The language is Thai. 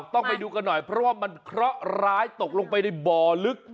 ต้องไปดูกันหน่อยเพราะว่ามันเคราะห์ร้ายตกลงไปในบ่อลึก